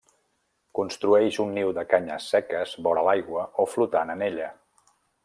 Construeix un niu de canyes seques vora l'aigua o flotant en ella.